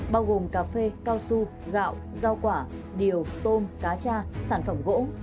bao gồm cà phê cao su gạo rau quả điều tôm cá cha sản phẩm gỗ